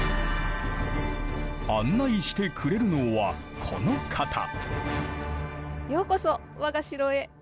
案内してくれるのはこの方。